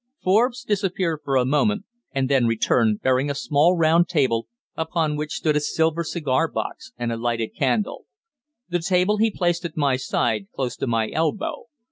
Forbes disappeared for a moment and then returned, bearing a small round table upon which stood a silver cigar box and a lighted candle. The table he placed at my side, close to my elbow.